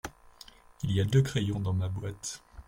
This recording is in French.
Il y a deux crayons dans ma boîte.